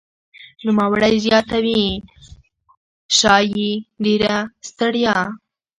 نوموړی زیاتوي "ښايي ډېره ستړیا